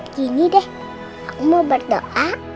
gini deh aku mau berdoa